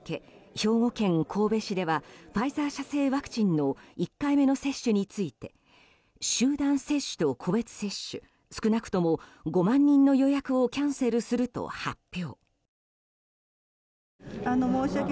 兵庫県神戸市ではファイザー社製ワクチンの１回目の接種について集団接種と個別接種少なくとも５万人の予約をキャンセルすると発表。